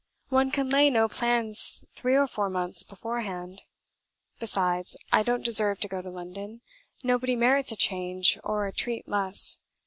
One can lay no plans three or four months beforehand. Besides, I don't deserve to go to London; nobody merits a change or a treat less.